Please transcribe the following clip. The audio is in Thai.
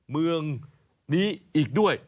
เมืองนี้อีกด้วย